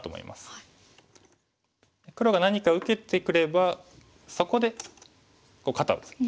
黒が何か受けてくればそこで肩をツク。